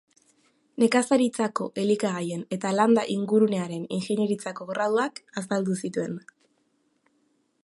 Nekazaritzako Elikagaien eta Landa Ingurunearen Ingeniaritzako Graduak azaldu zituen.